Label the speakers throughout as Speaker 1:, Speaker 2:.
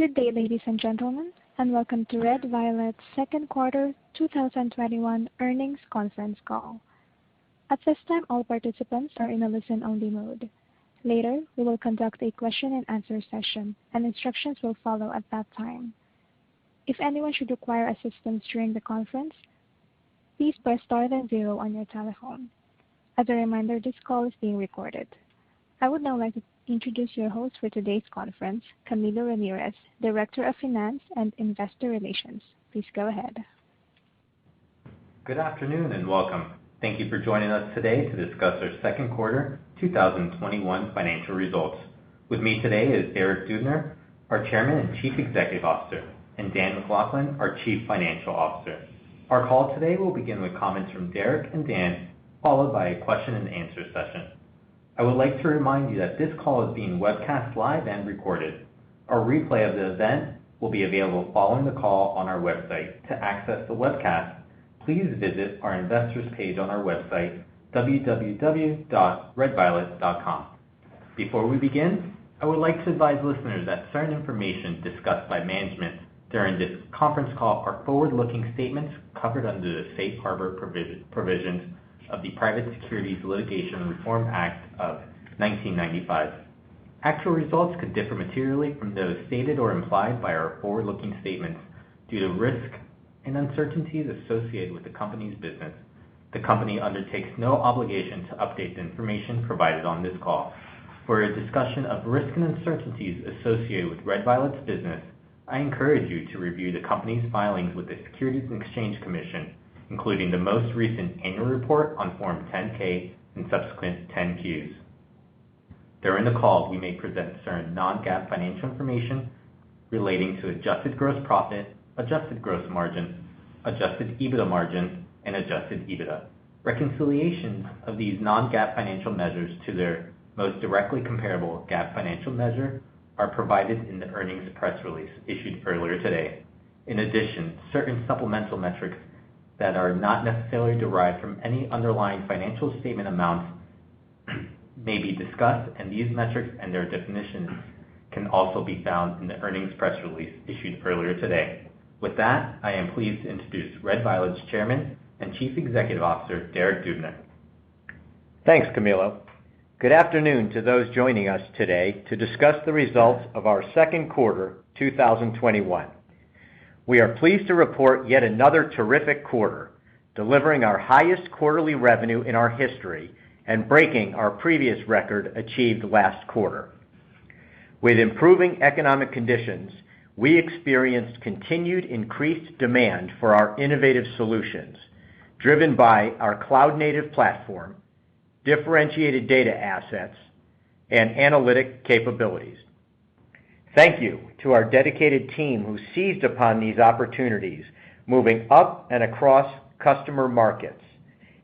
Speaker 1: Good day, ladies and gentlemen, and welcome to red violet's second quarter 2021 earnings conference call. At this time, all participants are in a listen-only mode. Later, we will conduct a question-and-answer session, and instructions will follow at that time. If anyone should require assistance during the conference, please press star then zero on your telephone. As a reminder, this call is being recorded. I would now like to introduce your host for today's conference, Camilo Ramirez, Director of Finance and Investor Relations. Please go ahead.
Speaker 2: Good afternoon, and welcome. Thank you for joining us today to discuss our second quarter 2021 financial results. With me today is Derek Dubner, our Chairman and Chief Executive Officer, and Dan MacLachlan, our Chief Financial Officer. Our call today will begin with comments from Derek and Dan, followed by a question-and-answer session. I would like to remind you that this call is being webcast live and recorded. A replay of the event will be available following the call on our website. To access the webcast, please visit our investors page on our website, www.redviolet.com. Before we begin, I would like to advise listeners that certain information discussed by management during this conference call are forward-looking statements covered under the safe harbor provisions of the Private Securities Litigation Reform Act of 1995. Actual results could differ materially from those stated or implied by our forward-looking statements due to risks and uncertainties associated with the company's business. The company undertakes no obligation to update the information provided on this call. For a discussion of risks and uncertainties associated with red violet's business, I encourage you to review the company's filings with the Securities and Exchange Commission, including the most recent annual report on Form 10-K and subsequent 10-Qs. During the call, we may present certain non-GAAP financial information relating to adjusted gross profit, adjusted gross margin, adjusted EBITDA margin, and adjusted EBITDA. Reconciliations of these non-GAAP financial measures to their most directly comparable GAAP financial measure are provided in the earnings press release issued earlier today. In addition, certain supplemental metrics that are not necessarily derived from any underlying financial statement amounts may be discussed. These metrics and their definitions can also be found in the earnings press release issued earlier today. With that, I am pleased to introduce red violet's Chairman and Chief Executive Officer, Derek Dubner.
Speaker 3: Thanks, Camilo. Good afternoon to those joining us today to discuss the results of our second quarter 2021. We are pleased to report yet another terrific quarter, delivering our highest quarterly revenue in our history and breaking our previous record achieved last quarter. With improving economic conditions, we experienced continued increased demand for our innovative solutions, driven by our cloud-native platform, differentiated data assets, and analytic capabilities. Thank you to our dedicated team who seized upon these opportunities, moving up and across customer markets,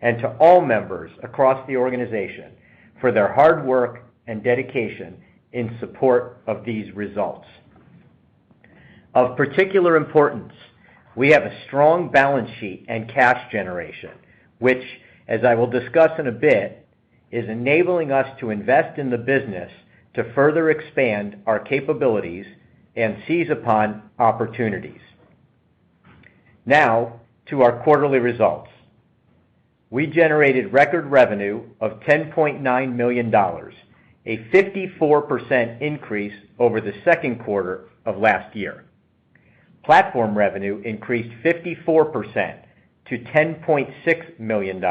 Speaker 3: and to all members across the organization for their hard work and dedication in support of these results. Of particular importance, we have a strong balance sheet and cash generation, which, as I will discuss in a bit, is enabling us to invest in the business to further expand our capabilities and seize upon opportunities. Now to our quarterly results. We generated record revenue of $10.9 million, a 54% increase over the second quarter of last year. Platform revenue increased 54% to $10.6 million.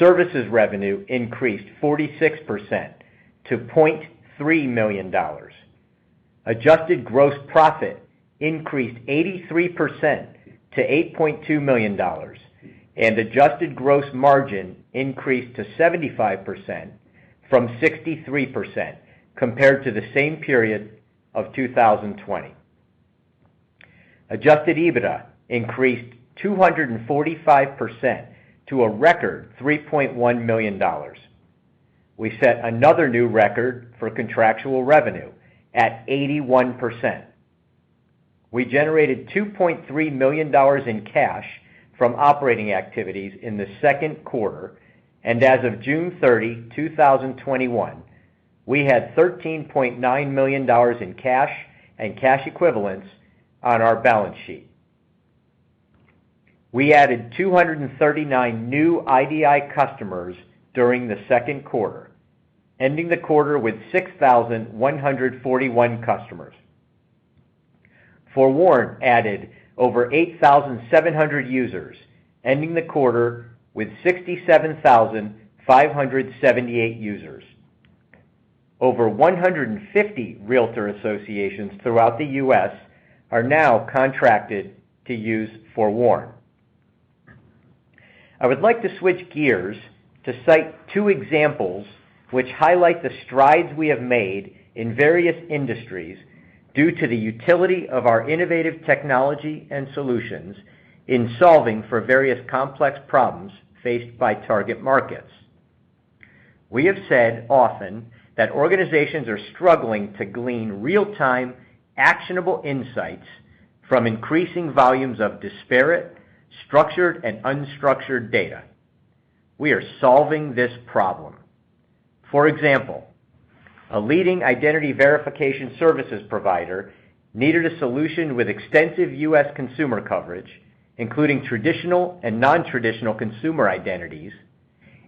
Speaker 3: Services revenue increased 46% to $0.3 million. Adjusted gross profit increased 83% to $8.2 million. Adjusted gross margin increased to 75% from 63% compared to the same period of 2020. Adjusted EBITDA increased 245% to a record $3.1 million. We set another new record for contractual revenue at 81%. We generated $2.3 million in cash from operating activities in the second quarter, and as of June 30, 2021, we had $13.9 million in cash and cash equivalents on our balance sheet. We added 239 new IDI customers during the second quarter, ending the quarter with 6,141 customers. FOREWARN added over 8,700 users, ending the quarter with 67,578 users. Over 150 REALTOR Associations throughout the U.S. are now contracted to use FOREWARN. I would like to switch gears to cite two examples which highlight the strides we have made in various industries due to the utility of our innovative technology and solutions in solving for various complex problems faced by target markets. We have said often that organizations are struggling to glean real-time actionable insights from increasing volumes of disparate, structured, and unstructured data. We are solving this problem. For example, a leading identity verification services provider needed a solution with extensive U.S. consumer coverage, including traditional and non-traditional consumer identities,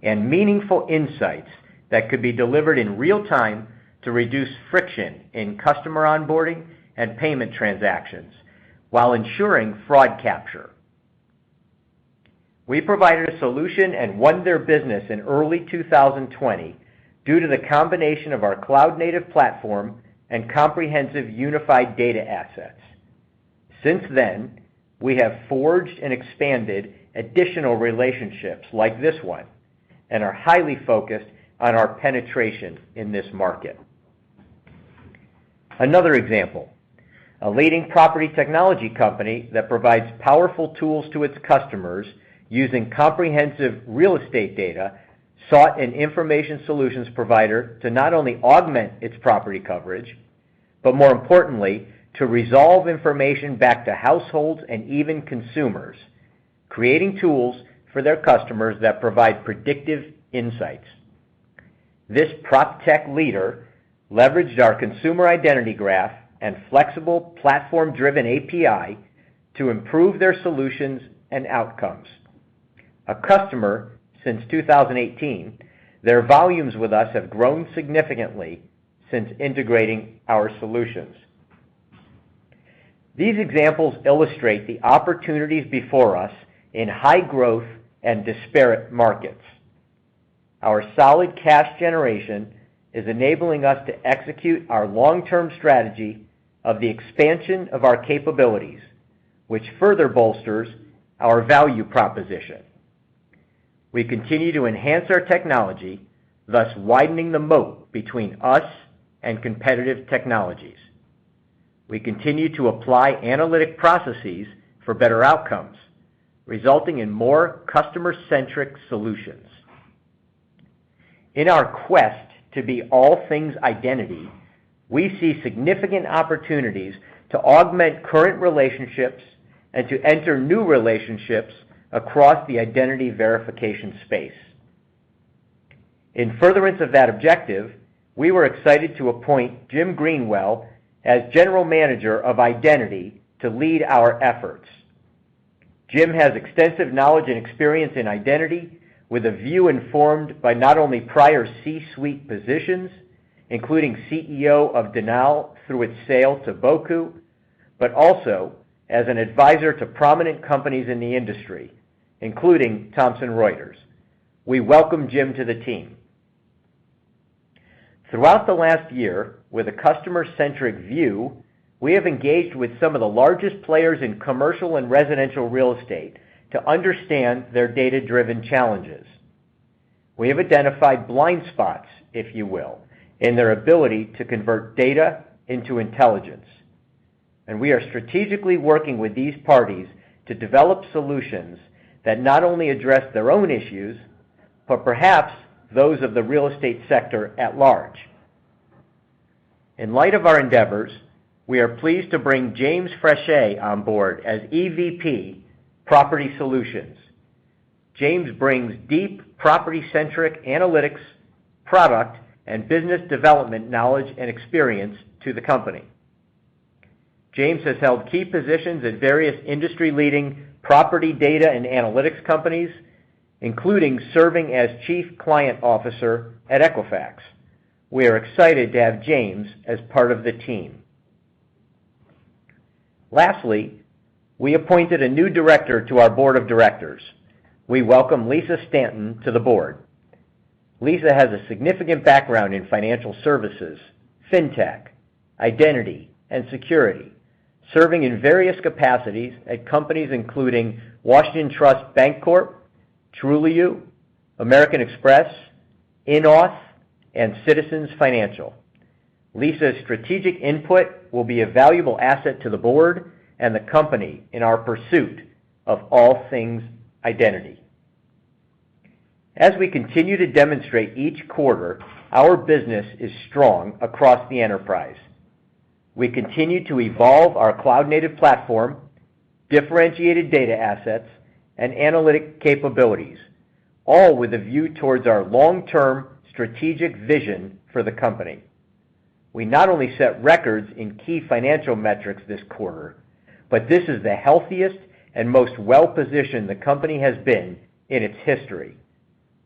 Speaker 3: and meaningful insights that could be delivered in real time to reduce friction in customer onboarding and payment transactions while ensuring fraud capture. We provided a solution and won their business in early 2020 due to the combination of our cloud-native platform and comprehensive unified data assets. Since then, we have forged and expanded additional relationships like this one and are highly focused on our penetration in this market. Another example, a leading property technology company that provides powerful tools to its customers using comprehensive real estate data, sought an information solutions provider to not only augment its property coverage, but more importantly, to resolve information back to households and even consumers, creating tools for their customers that provide predictive insights. This prop tech leader leveraged our consumer identity graph and flexible platform-driven API to improve their solutions and outcomes. A customer since 2018, their volumes with us have grown significantly since integrating our solutions. These examples illustrate the opportunities before us in high-growth and disparate markets. Our solid cash generation is enabling us to execute our long-term strategy of the expansion of our capabilities, which further bolsters our value proposition. We continue to enhance our technology, thus widening the moat between us and competitive technologies. We continue to apply analytic processes for better outcomes, resulting in more customer-centric solutions. In our quest to be all things identity, we see significant opportunities to augment current relationships and to enter new relationships across the identity verification space. In furtherance of that objective, we were excited to appoint Jim Greenwell as General Manager of Identity to lead our efforts. Jim has extensive knowledge and experience in identity with a view informed by not only prior C-suite positions, including CEO of Danal through its sale to Boku, but also as an advisor to prominent companies in the industry, including Thomson Reuters. We welcome Jim to the team. Throughout the last year, with a customer-centric view, we have engaged with some of the largest players in commercial and residential real estate to understand their data-driven challenges. We have identified blind spots, if you will, in their ability to convert data into intelligence, and we are strategically working with these parties to develop solutions that not only address their own issues, but perhaps those of the real estate sector at large. In light of our endeavors, we are pleased to bring James Frasche on board as EVP, Property Solutions. James brings deep property-centric analytics, product, and business development knowledge and experience to the company. James has held key positions at various industry-leading property data and analytics companies, including serving as Chief Client Officer at Equifax. We are excited to have James as part of the team. Lastly, we appointed a new Director to our Board of Directors. We welcome Lisa Stanton to the Board. Lisa has a significant background in financial services, fintech, identity, and security, serving in various capacities at companies including Washington Trust Bancorp, Trulioo, American Express, InAuth, and Citizens Financial. Lisa's strategic input will be a valuable asset to the Board and the company in our pursuit of all things identity. As we continue to demonstrate each quarter, our business is strong across the enterprise. We continue to evolve our cloud-native platform, differentiated data assets, and analytic capabilities, all with a view towards our long-term strategic vision for the company. We not only set records in key financial metrics this quarter, but this is the healthiest and most well-positioned the company has been in its history.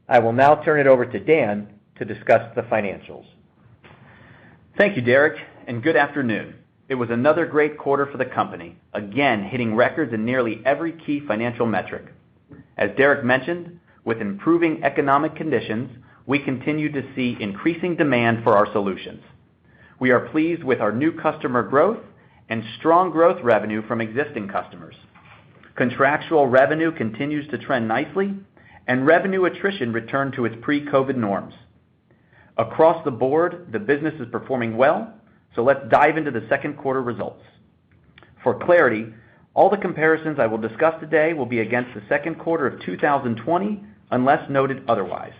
Speaker 3: I will now turn it over to Dan to discuss the financials.
Speaker 4: Thank you, Derek, and good afternoon. It was another great quarter for the company, again, hitting records in nearly every key financial metric. As Derek mentioned, with improving economic conditions, we continue to see increasing demand for our solutions. We are pleased with our new customer growth and strong growth revenue from existing customers. Contractual revenue continues to trend nicely and revenue attrition returned to its pre-COVID norms. Across the board, the business is performing well. Let's dive into the second quarter results. For clarity, all the comparisons I will discuss today will be against the second quarter of 2020, unless noted otherwise.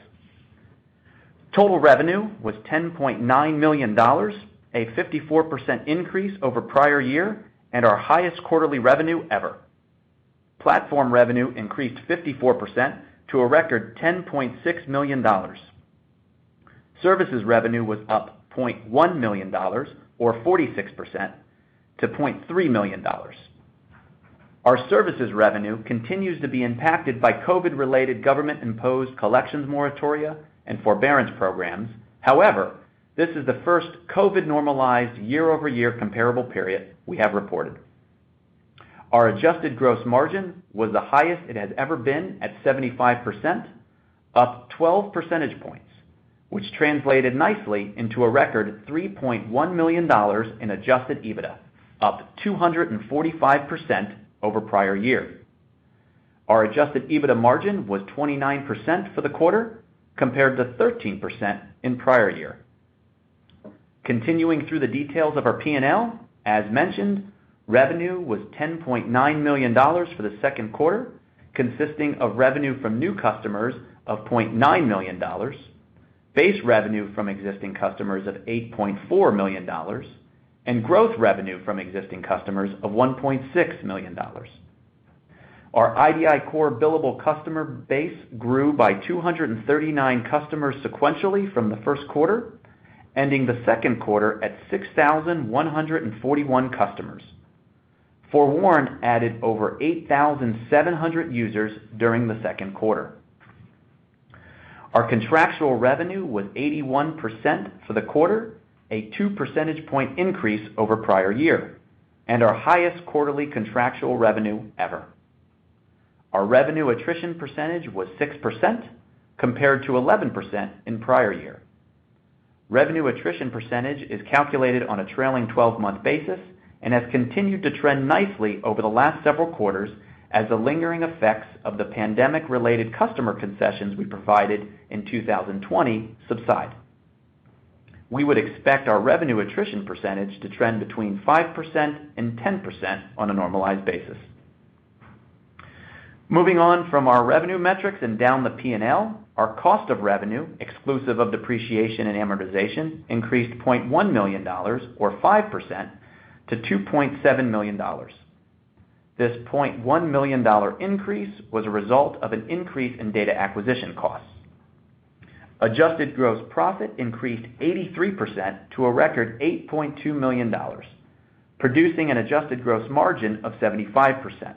Speaker 4: Total revenue was $10.9 million, a 54% increase over prior year, and our highest quarterly revenue ever. Platform revenue increased 54% to a record $10.6 million. Services revenue was up $0.1 million, or 46%, to $0.3 million. Our services revenue continues to be impacted by COVID-related government-imposed collections moratoria and forbearance programs. However, this is the first COVID-normalized year-over-year comparable period we have reported. Our adjusted gross margin was the highest it has ever been at 75%, up 12 percentage points, which translated nicely into a record $3.1 million in adjusted EBITDA, up 245% over prior year. Our adjusted EBITDA margin was 29% for the quarter, compared to 13% in prior year. Continuing through the details of our P&L, as mentioned, revenue was $10.9 million for the second quarter, consisting of revenue from new customers of $0.9 million, base revenue from existing customers of $8.4 million, and growth revenue from existing customers of $1.6 million. Our idiCORE billable customer base grew by 239 customers sequentially from the first quarter, ending the second quarter at 6,141 customers. FOREWARN added over 8,700 users during the second quarter. Our contractual revenue was 81% for the quarter, a 2 percentage point increase over prior year, and our highest quarterly contractual revenue ever. Our revenue attrition percentage was 6%, compared to 11% in prior year. Revenue attrition percentage is calculated on a trailing 12-month basis and has continued to trend nicely over the last several quarters as the lingering effects of the pandemic-related customer concessions we provided in 2020 subside. We would expect our revenue attrition percentage to trend between 5% and 10% on a normalized basis. Moving on from our revenue metrics and down the P&L, our cost of revenue, exclusive of depreciation and amortization, increased $0.1 million, or 5%, to $2.7 million. This $0.1 million increase was a result of an increase in data acquisition costs. Adjusted gross profit increased 83% to a record $8.2 million, producing an adjusted gross margin of 75%,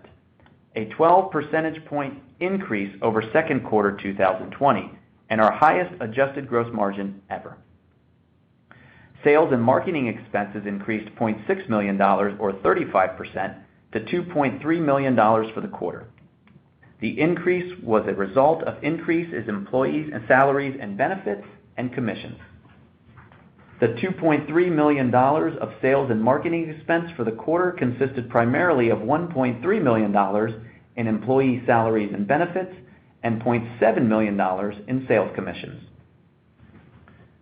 Speaker 4: a 12 percentage point increase over second quarter 2020, and our highest adjusted gross margin ever. Sales and marketing expenses increased $0.6 million, or 35%, to $2.3 million for the quarter. The increase was a result of increases in employee salaries and benefits, and commissions. The $2.3 million of sales and marketing expense for the quarter consisted primarily of $1.3 million in employee salaries and benefits, and $0.7 million in sales commissions.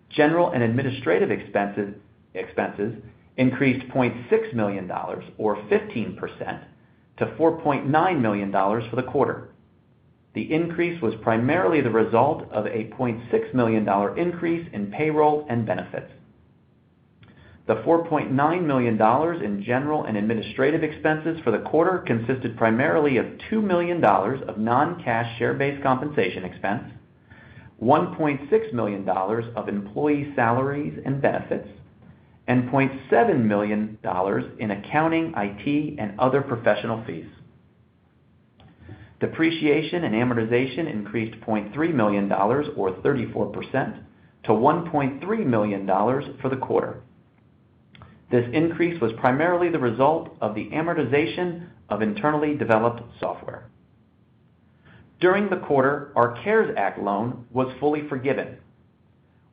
Speaker 4: General and administrative expenses increased $0.6 million, or 15%, to $4.9 million for the quarter. The increase was primarily the result of a $0.6 million increase in payroll and benefits. The $4.9 million in general and administrative expenses for the quarter consisted primarily of $2 million of non-cash share-based compensation expense, $1.6 million of employee salaries and benefits, and $0.7 million in accounting, IT, and other professional fees. Depreciation and amortization increased $0.3 million, or 34%, to $1.3 million for the quarter. This increase was primarily the result of the amortization of internally developed software. During the quarter, our CARES Act Loan was fully forgiven.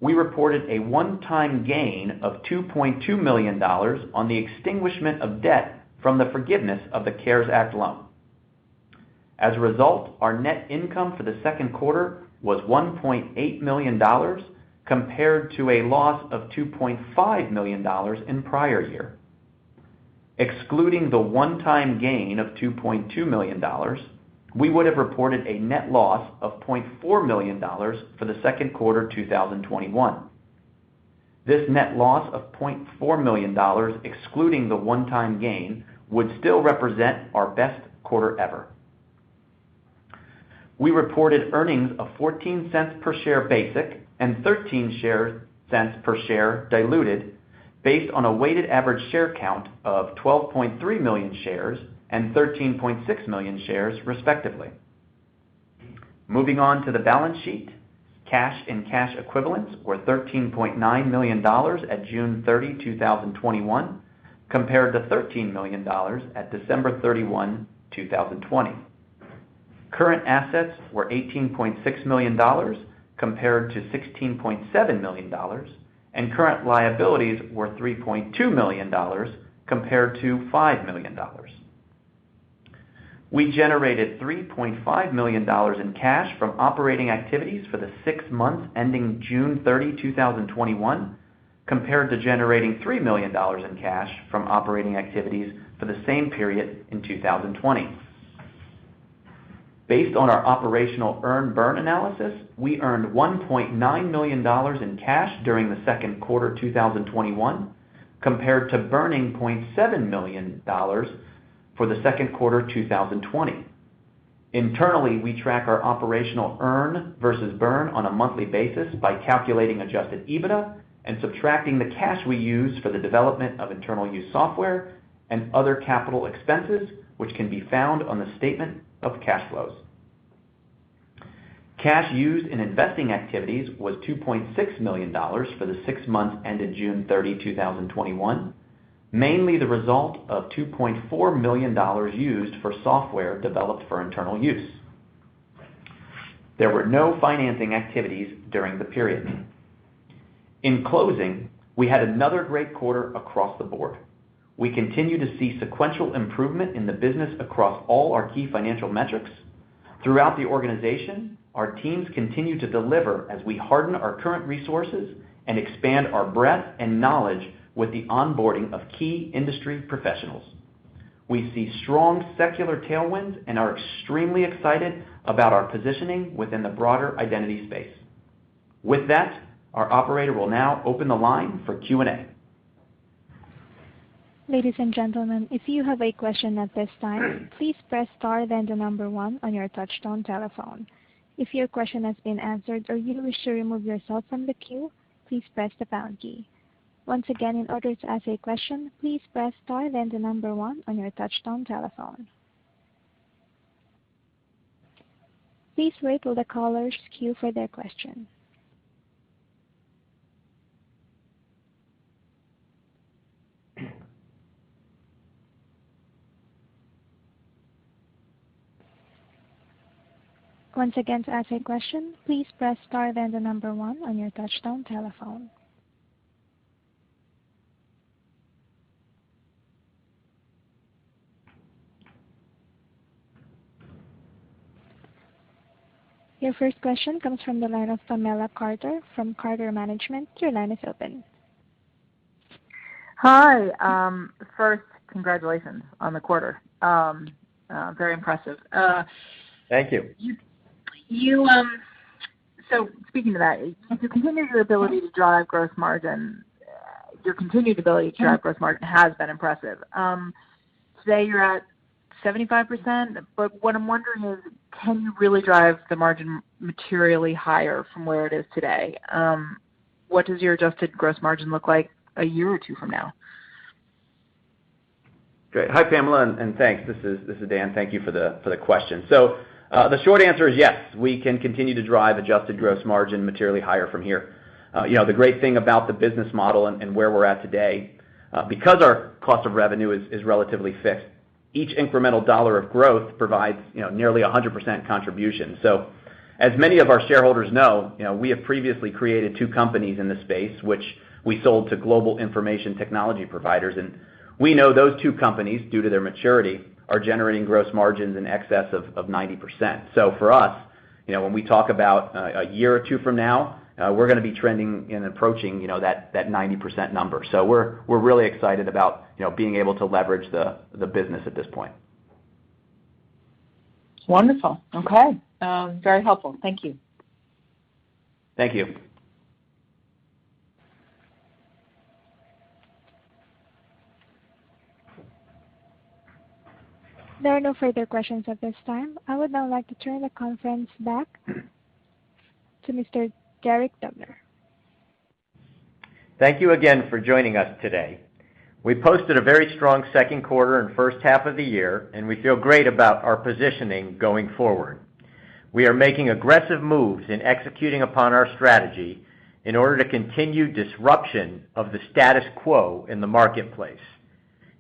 Speaker 4: We reported a one-time gain of $2.2 million on the extinguishment of debt from the forgiveness of the CARES Act Loan. As a result, our net income for the second quarter was $1.8 million, compared to a loss of $2.5 million in prior year. Excluding the one-time gain of $2.2 million, we would have reported a net loss of $0.4 million for the second quarter 2021. This net loss of $0.4 million, excluding the one-time gain, would still represent our best quarter ever. We reported earnings of $0.14 per share basic and $0.13 per share diluted based on a weighted average share count of 12.3 million shares and 13.6 million shares, respectively. Moving on to the balance sheet. Cash and cash equivalents were $13.9 million at June 30, 2021, compared to $13 million at December 31, 2020. Current assets were $18.6 million, compared to $16.7 million, and current liabilities were $3.2 million, compared to $5 million. We generated $3.5 million in cash from operating activities for the six months ending June 30, 2021, compared to generating $3 million in cash from operating activities for the same period in 2020. Based on our operational earn burn analysis, we earned $1.9 million in cash during the second quarter 2021 compared to burning $0.7 million for the second quarter 2020. Internally, we track our operational earn versus burn on a monthly basis by calculating adjusted EBITDA and subtracting the cash we use for the development of internal use software and other capital expenses, which can be found on the statement of cash flows. Cash used in investing activities was $2.6 million for the six months ended June 30, 2021, mainly the result of $2.4 million used for software developed for internal use. There were no financing activities during the period. In closing, we had another great quarter across the board. We continue to see sequential improvement in the business across all our key financial metrics. Throughout the organization, our teams continue to deliver as we harden our current resources and expand our breadth and knowledge with the onboarding of key industry professionals. We see strong secular tailwinds and are extremely excited about our positioning within the broader identity space. With that, our operator will now open the line for Q&A.
Speaker 1: Ladies and gentlemen, if you have a question at this time, please press star then the number one on your touchtone telephone. If your question has been answered or you wish to remove yourself from the queue, please press the pound key. Once again, in order to ask a question, please press star then the number one on your touchtone telephone. Please wait for the callers queue for their question. Once again, to ask a question, please press star then the number one on your touchtone telephone. Your first question comes from the line of Pamela Carter from Carter Management. Your line is open.
Speaker 5: Hi. First, congratulations on the quarter. Very impressive.
Speaker 4: Thank you.
Speaker 5: Speaking to that, your continued ability to drive gross margin has been impressive. Today, you're at 75%, but what I'm wondering is can you really drive the margin materially higher from where it is today? What does your adjusted gross margin look like a year or two from now?
Speaker 4: Great. Hi, Pamela, and thanks. This is Dan. Thank you for the question. The short answer is yes, we can continue to drive adjusted gross margin materially higher from here. The great thing about the business model and where we're at today, because our cost of revenue is relatively fixed, each incremental dollar of growth provides nearly 100% contribution. As many of our shareholders know, we have previously created two companies in the space, which we sold to global information technology providers, and we know those two companies, due to their maturity, are generating gross margins in excess of 90%. For us, when we talk about a year or two from now, we're going to be trending and approaching that 90% number. We're really excited about being able to leverage the business at this point.
Speaker 5: Wonderful. Okay. Very helpful. Thank you.
Speaker 4: Thank you.
Speaker 1: There are no further questions at this time. I would now like to turn the conference back to Mr. Derek Dubner.
Speaker 3: Thank you again for joining us today. We posted a very strong second quarter and first half of the year, and we feel great about our positioning going forward. We are making aggressive moves in executing upon our strategy in order to continue disruption of the status quo in the marketplace.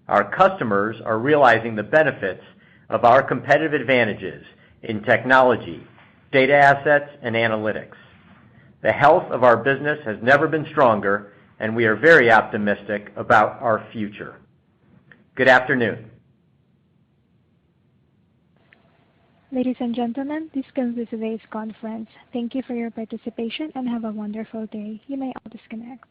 Speaker 3: Our customers are realizing the benefits of our competitive advantages in technology, data assets, and analytics. The health of our business has never been stronger, and we are very optimistic about our future. Good afternoon.
Speaker 1: Ladies and gentlemen, this concludes today's conference. Thank you for your participation, and have a wonderful day. You may all disconnect.